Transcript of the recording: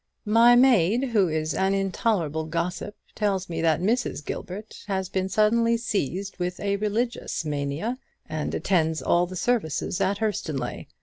My maid, who is an intolerable gossip, tells me that Mrs. Gilbert has been suddenly seized with a religions mania, and attends all the services at Hurstonleigh.